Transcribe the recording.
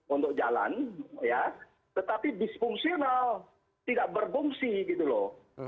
untuk jalan tetapi dispungsional tidak berfungsi gitu loh